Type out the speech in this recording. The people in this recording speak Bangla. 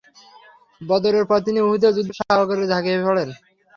বদরের পর তিনি উহুদের যুদ্ধ সাগরে ঝাঁপিয়ে পড়লেন।